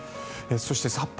そして札幌、